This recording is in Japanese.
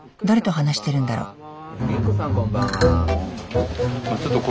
誰と話してるんだろう？